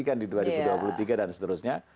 kan di dua ribu dua puluh tiga dan seterusnya